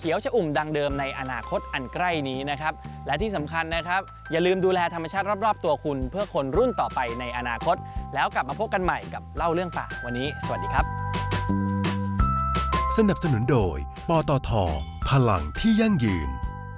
อย่าลืมดูแลธรรมชาติรอบตัวคุณเพื่อคนรุ่นต่อไปในอนาคตแล้วกลับมาพบกันใหม่กับเล่าเรื่องป่าวันนี้สวัสดีครับ